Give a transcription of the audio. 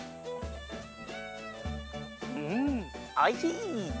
うんおいしい。